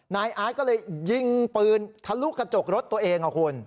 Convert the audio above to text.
นายอาร์ดก็เลยยิงเปินทะลุขโกรธตัวเอง